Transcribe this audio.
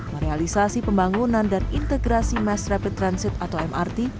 merealisasi pembangunan dan integrasi mass rapid transit atau mrt